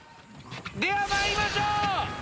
では参りましょう。